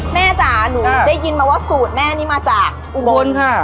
แม่จ๋าจ้ะหนูได้ยินมาว่าสูตรแม่นี้มาจากอุบลอุบลค่ะ